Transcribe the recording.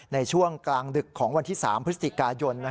ในช่วงกลางดึกของวันที่๓พฤศจิกายน